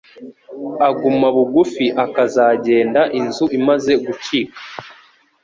Aguma bugufi akazagenda inzu imaze gucika